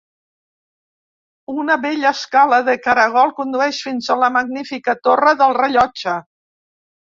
Una vella escala de caragol conduïx fins a la magnífica Torre del Rellotge.